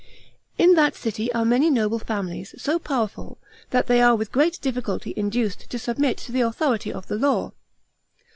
In that city are many noble families so powerful, that they are with great difficulty induced to submit to the authority of the law.